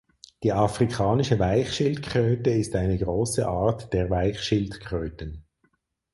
Die Afrikanische Weichschildkröte ist eine große Art der Weichschildkröten.